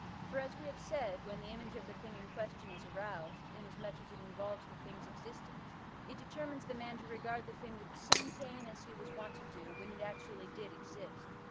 For, as we have said, when the image of the thing in question, is aroused, inasmuch as it involves the thing's existence, it determines the man to regard the thing with the same pain as he was wont to do, when it actually did exist.